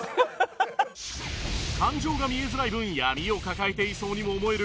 感情が見えづらい分闇を抱えていそうにも思えるこの男